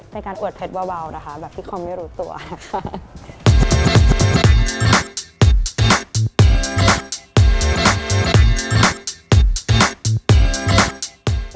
ในการอวดเพชรเบานะคะแบบที่คอมไม่รู้ตัวนะคะ